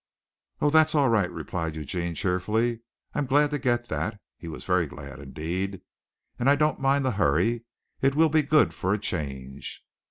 "Oh, that's all right," replied Eugene cheerfully. "I'm glad to get that." (He was very glad indeed.) "And I don't mind the hurry. It will be good for a change."